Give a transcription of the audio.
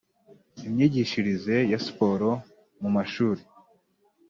Imyigishirize ya siporo mu mashuli